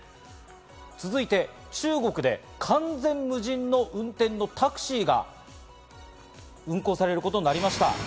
続いて中国で完全の無人の運転タクシーが運行されることになりました。